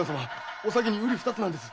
お咲にうりふたつなんです。